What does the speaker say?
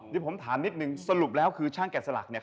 เดี๋ยวผมถามนิดนึงสรุปแล้วคือช่างแกะสลักเนี่ย